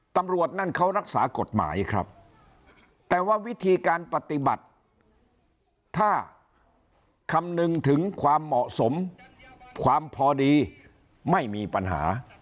ตำรวจนั่นเขารักษากฎหมายครับแต่ว่าวิธีการปฏิบัติถ้าคำนึงถึงความเหมาะสมความพอดีไม่มีปัญหา